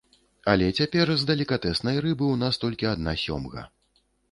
Але цяпер з далікатэснай рыбы ў нас толькі адна сёмга.